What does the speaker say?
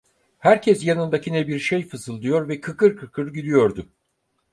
Herkes yanındakine bir şey fısıldıyor ve kıkır kıkır gülüyordu.